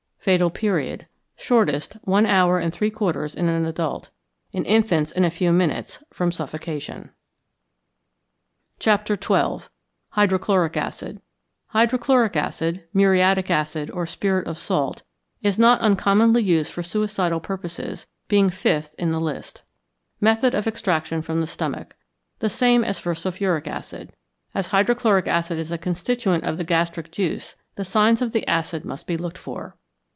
Fatal Period. Shortest, one hour and three quarters in an adult; in infants in a few minutes, from suffocation. XII. HYDROCHLORIC ACID =Hydrochloric Acid=, muriatic acid, or spirit of salt, is not uncommonly used for suicidal purposes, being fifth in the list. Method of Extraction from the Stomach. The same as for sulphuric acid. As hydrochloric acid is a constituent of the gastric juice, the signs of the acid must be looked for.